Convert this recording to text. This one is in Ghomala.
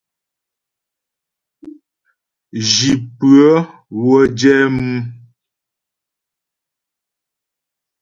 Zhi pʉə́ə wə́ jɛ mʉ.